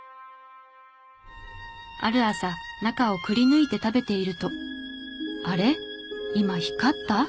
ある朝中をくりぬいて食べていると「あれ？今光った？」。